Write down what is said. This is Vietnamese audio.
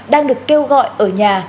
đang được kêu gọi ở nhà